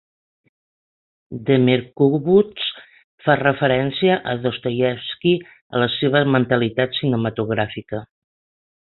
Demirkubuz fa referència a Dostoievski a la seva mentalitat cinematogràfica.